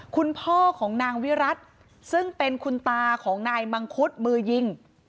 คุณพ่อของนางวิรัติซึ่งเป็นคุณตาของนายมังคุดมือยิง